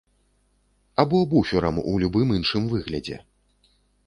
Або буферам у любым іншым выглядзе?